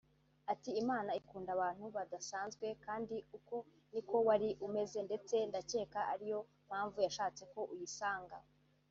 Ati “ Imana ikunda abantu badasanzwe kandi uko niko wari umeze ndetse ndakeka ariyo mpamvu yashatse ko uyisanga”